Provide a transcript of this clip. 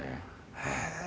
へえ。